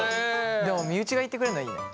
でも身内が言ってくれんのはいいね。